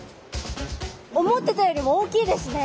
思ってたよりも大きいですね。